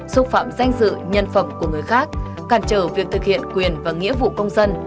xúc phạm danh dự nhân phẩm của người khác cản trở việc thực hiện quyền và nghĩa vụ công dân